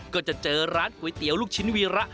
ก็จะเจอร้านก๋วยเตี๋ยวลูกชิ้นวีระ